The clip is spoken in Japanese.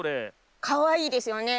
かわいいですよね。